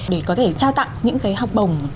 để có thể trao tặng những cái học bổng